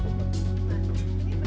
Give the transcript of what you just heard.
leang petak kiri